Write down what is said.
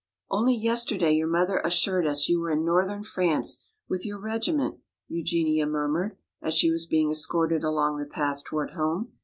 "Only yesterday your mother assured us you were in northern France with your regiment," Eugenia murmured as she was being escorted along the path toward home.